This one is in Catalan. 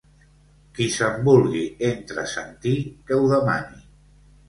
Qui se'n vulgui entresentir, que ho demani.